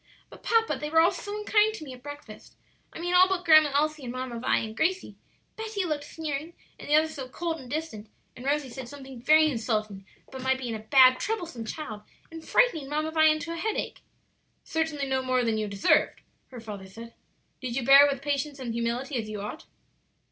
"But, papa, they were all so unkind to me at breakfast I mean all but Grandma Elsie and Mamma Vi and Gracie. Betty looked sneering, and the others so cold and distant, and Rosie said something very insulting about my being a bad, troublesome child and frightening Mamma Vi into a headache." "Certainly no more than you deserved," her father said. "Did you bear it with patience and humility, as you ought?"